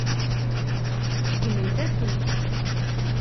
Seggment-asent-tt.